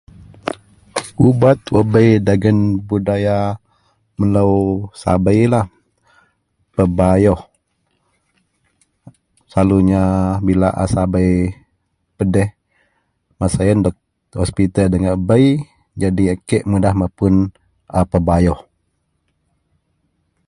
.ubat wak bei dagen budaya melou sabeilah, pebayouh, selalunya bila a sabei pedih ,masa ien hospital da ngak bei nyadin a kek mapun pebayouh